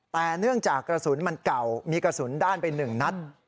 แต่เนื่องจากกระสุนมันเก่ามีกระสุนด้านไป๑นัด